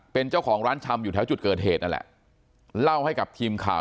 เป็นเจ้าของร้านชำอยู่แถวจุดเกิดเหตุนั่นแหละเล่าให้กับทีมข่าว